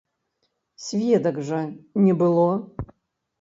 Сведак жа не было!